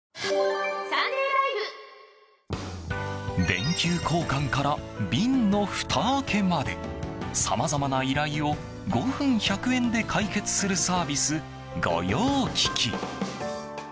電球交換から瓶のふた開けまでさまざまな依頼を５分１００円で解決するサービス御用聞き。